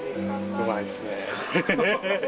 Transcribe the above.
うまいですね。